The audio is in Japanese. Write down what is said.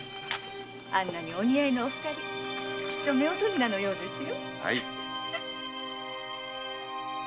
あんなにお似合いのお二人きっと夫婦雛のようですよ。